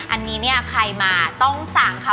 อันนี้ใครมาต้องสั่งค่ะ